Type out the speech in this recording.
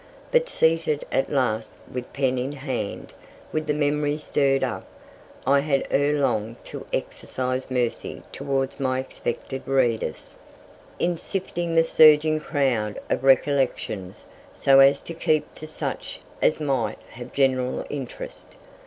But seated at last with pen in hand, and with memory stirred up, I had ere long to exercise mercy towards my expected readers, in sifting the surging crowd of recollections, so as to keep to such as might have general interest.